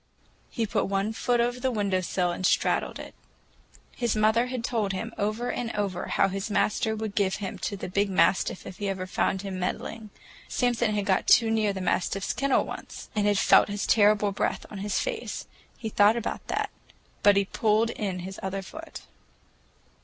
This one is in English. He put one foot over the window sill and straddled it. His mother had told him over and over how his master would give him to the big mastiff if he ever found him "meddling." Samson had got too near the mastiff's kennel once, and had felt his terrible breath in his face. He thought about that, but he pulled in his other foot.